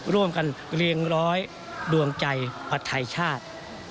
ร่วมกันเรียงร้อยดวงใจประไทยชาติ